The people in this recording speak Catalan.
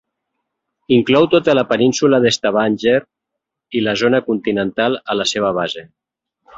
Inclou tota la península de Stavanger i la zona continental a la seva base.